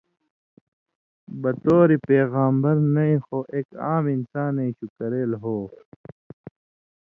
بطور پېغمبر نَیں خو اېک عام انسانَیں شُو کرېل ہو۔